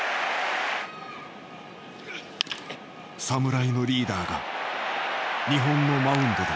侍のリーダーが日本のマウンドで。